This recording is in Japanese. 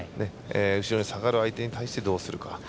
後ろに下がる相手に対してどうするか。